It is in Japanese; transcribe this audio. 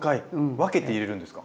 分けて入れるんですか？